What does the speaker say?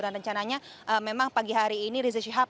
dan rencananya memang pagi hari ini rizik sihab